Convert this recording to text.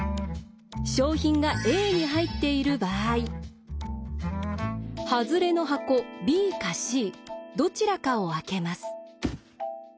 賞品がＡに入っている場合ハズレの箱ＢかＣどちらかを開けます。